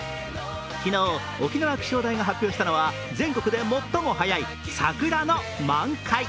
昨日、沖縄気象台が発表した全国で最も早い桜の満開。